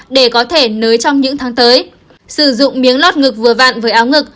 để có thể nới trong những tháng tới sử dụng miếng lót ngực vừa vạn với áo ngực